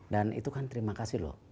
dan itu kan terima kasih loh